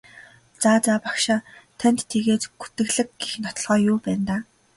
За за багшаа танд тэгээд гүтгэлэг гэх нотолгоо юу байна даа?